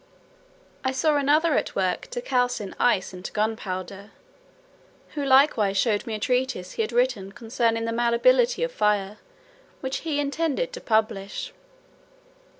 I saw another at work to calcine ice into gunpowder; who likewise showed me a treatise he had written concerning the malleability of fire, which he intended to publish.